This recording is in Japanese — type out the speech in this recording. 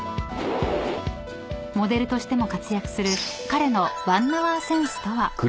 ［モデルとしても活躍する彼の］